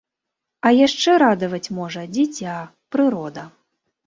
А яшчэ радаваць можа дзіця, прырода.